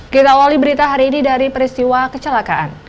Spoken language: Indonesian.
kita awali berita hari ini dari peristiwa kecelakaan